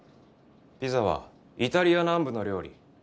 ピザはイタリア南部の料理